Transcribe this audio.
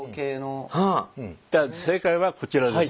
じゃあ正解はこちらです。